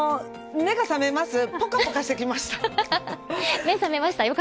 目が覚めましたか。